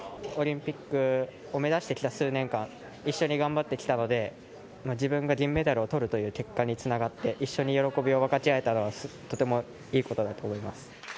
オリンピックを目指してきた数年間、一緒に頑張ってきたので、自分が銀メダルをとるという結果につながって、一緒に喜びを分かち合えたのは、とてもいいことだと思います。